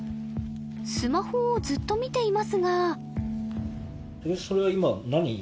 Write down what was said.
スマホをずっと見ていますが